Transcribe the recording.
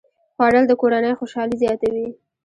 خوړل د کورنۍ خوشالي زیاته وي